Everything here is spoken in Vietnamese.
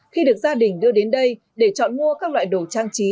khi được gia đình đưa đến đây để chọn mua các loại đồ trang trí